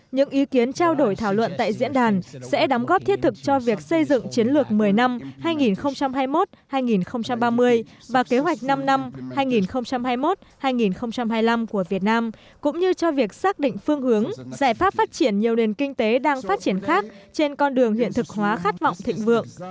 những ý kiến trao đổi thảo luận tại diễn đàn sẽ đóng góp thiết thực cho việc xây dựng chiến lược một mươi năm hai nghìn hai mươi một hai nghìn ba mươi và kế hoạch năm năm hai nghìn hai mươi một hai nghìn hai mươi năm của việt nam cũng như cho việc xác định phương hướng giải pháp phát triển nhiều nền kinh tế đang phát triển khác trên con đường hiện thực hóa khát vọng thịnh vượng